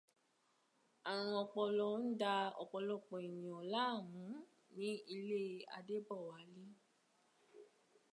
Àrùn ọpọlọ ń da ọ̀pọ̀lọpọ̀ èèyàn láàmú ní ilé Adébọ̀wálé